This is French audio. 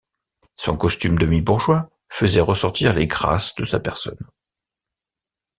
Son costume demi-bourgeois faisait ressortir les grâces de sa personne.